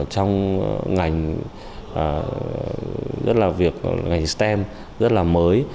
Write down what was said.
trong ngành rất là việc ngành stem rất là mới